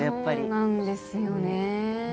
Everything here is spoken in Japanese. そうなんですよね。